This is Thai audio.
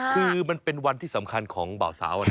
คือมันเป็นวันที่สำคัญของเบาสาวนะ